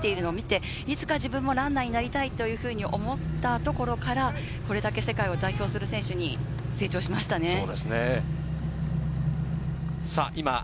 通学路でキプチョゲ選手が走っているのを見て、いつか自分もランナーになりたいと思ったところから、これだけ世界を代表する選手に成長しましたね。